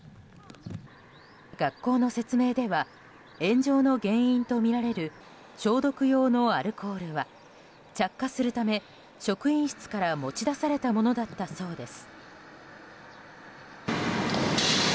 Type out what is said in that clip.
学校の説明では炎上の原因とみられる消毒用のアルコールは着火するため職員室から持ち出されたものだったそうです。